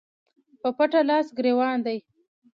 په پټه لاس ګرېوان دي